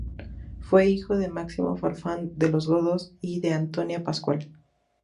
Fue hijo de Máximo Farfán de los Godos y de Antonia Pascual.